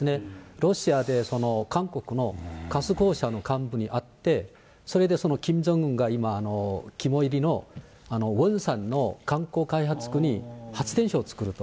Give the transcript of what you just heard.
ロシアで、韓国のガス公社の幹部に会って、それでキム・ジョンウンが肝煎りの、ウォンサンの観光開発区に発電所を作ると。